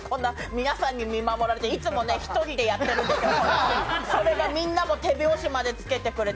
皆さんに見守られて、いつもね、１人でやってるんですけど、それがみんな手拍子までつけてくれて。